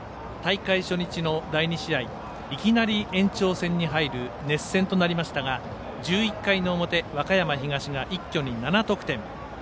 大会初日の第２試合いきなり延長戦に入る熱戦となりましたが１１回の表、和歌山東が一挙に７得点。